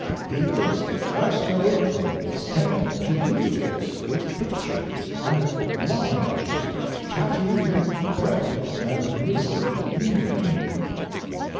"He was frescoed from head to heel with pictures and mottoes tatooed in red and blue India ink.